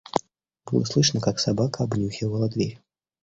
Было слышно, как собака обнюхивала дверь.